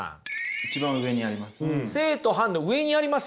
一番上にあります。